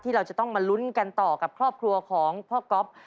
เราจะต้องมาลุ้นกันต่อกับครอบครัวของพ่อก๊อฟ